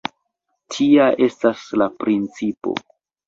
Tia estas la principo.